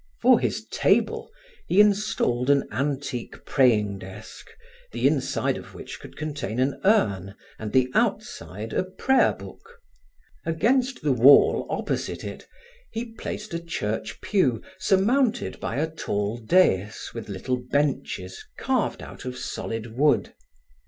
For his table, he installed an antique praying desk the inside of which could contain an urn and the outside a prayer book. Against the wall, opposite it, he placed a church pew surmounted by a tall dais with little benches carved out of solid wood.